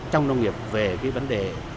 trong nông nghiệp về cái vấn đề